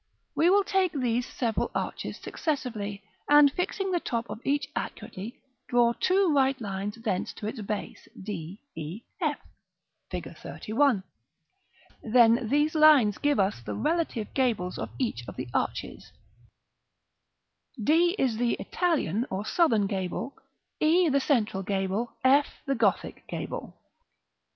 We will take these several arches successively, and fixing the top of each accurately, draw two right lines thence to its base, d, e, f, Fig. XXXI. Then these lines give us the relative gables of each of the arches; d is the Italian or southern gable, e the central gable, f the Gothic gable.